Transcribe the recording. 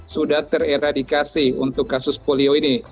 sudah ter eradikasi untuk kasus polio ini